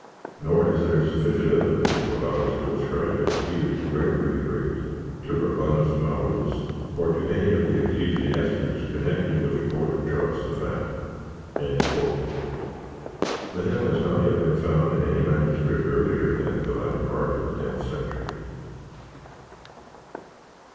Nor is there sufficient evidence to allow us to ascribe it either to Gregory the Great, to Rhabanus Maurus, or to any of the ecclesiastics connected with the court of Charles the Fat." The hymn has not yet been found in any MS. earlier than the latter part of the tenth century.